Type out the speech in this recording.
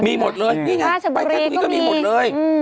มีหมดเลยนี่ไงไปแค่ตรงนี้ก็มีหมดเลย